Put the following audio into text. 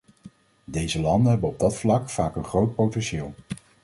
Deze landen hebben op dat vlak vaak een groot potentieel.